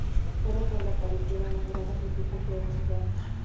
Solo cuando aparecieron las gradas se supo que era un teatro.